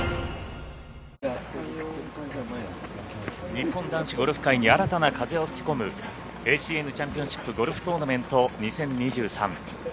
日本男子ゴルフ界に新たな風を吹き込むＡＣＮチャンピオンシップゴルフトーナメント２０２３。